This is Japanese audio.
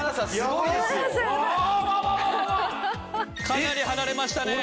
かなり離れましたね！